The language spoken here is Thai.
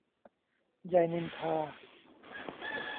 ไย นินทา.